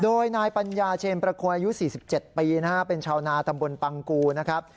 โดยนายปัญญาเชนประโคนอายุ๔๗ปีนะฮะเป็นชาวนาตำบลปังกูนะครับ